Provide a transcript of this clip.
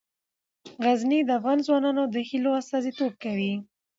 غزني د افغان ځوانانو د هیلو استازیتوب کوي.